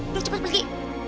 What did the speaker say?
udah cepat pergi